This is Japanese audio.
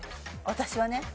私はね。